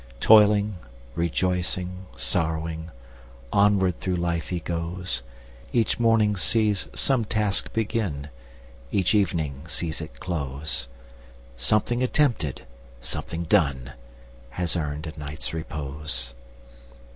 Toiling,—rejoicing,—sorrowing, Onward through life he goes; Each morning sees some task begin, Each evening sees it close; Something attempted, something done. Has earned a night's repose.